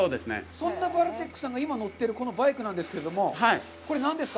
そんなバルテックさんが今乗ってるこのバイクなんですけれども、これ、何ですか？